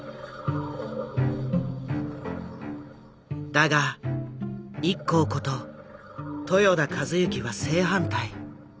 だがＩＫＫＯこと豊田一幸は正反対。